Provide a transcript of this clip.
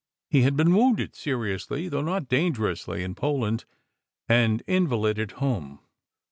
He had been wounded, seriously though not dangerously, in Poland, and invalided home.